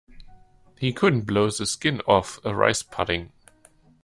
He couldn't blow the skin off a rice pudding.